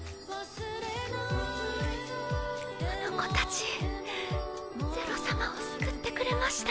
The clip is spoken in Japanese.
あの子達是露さまを救ってくれました。